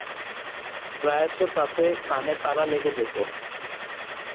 প্রায়শই তাতে কানে তালা লেগে যেত।